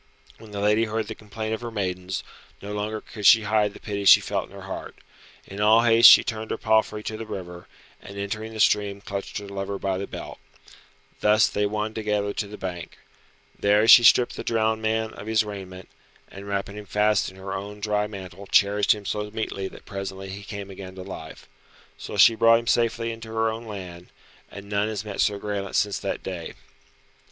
When the lady heard the complaint of her maidens, no longer could she hide the pity she felt in her heart. In all haste she turned her palfrey to the river, and entering the stream clutched her lover by the belt. Thus they won together to the bank. There she stripped the drowned man of his raiment, and wrapping him fast in her own dry mantle cherished him so meetly that presently he came again to life. So she brought him safely into her own land, and none has met Sir Graelent since that day.